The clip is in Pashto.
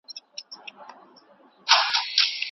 ژوند له ناڅاپي پیښو ډک دی.